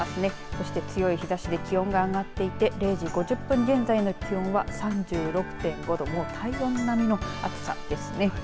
そして、強い日ざしで気温が上がっていて０時５０分現在の気温は３６．５度もう体温並みの暑さですね。